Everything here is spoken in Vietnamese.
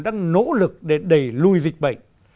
đang nỗ lực để đẩy lùi dịch bệnh